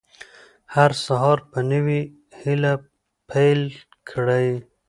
هر سهار په نوې هیله پیل کړئ.